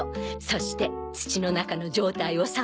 そして土の中の状態を探るの。